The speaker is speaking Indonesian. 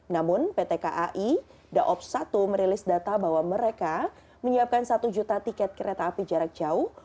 namun pt kai daob satu merilis data bahwa mereka menyiapkan satu juta tiket kereta api jarak jauh